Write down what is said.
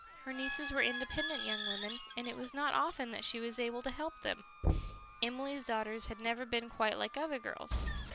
Her nieces were independent young women, and it was not often that she was able to help them. Emily's daughters had never been quite like other girls.